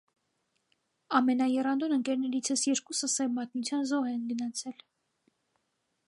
ամենաեռանդուն ընկերներիցս երկուսը սև մատնության զոհ են գնացել…